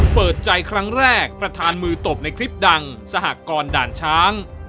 เปิดใจครั้งแรกประธานมือตบในคลิปดังสหกรด่านช้าง